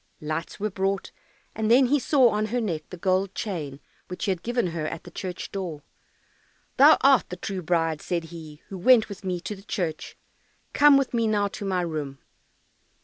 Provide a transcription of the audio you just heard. Lights were brought, and then he saw on her neck the gold chain which he had given her at the church door. "Thou art the true bride," said he, "who went with me to the church; come with me now to my room."